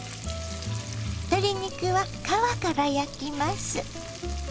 鶏肉は皮から焼きます。